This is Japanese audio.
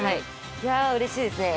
いやあうれしいですね！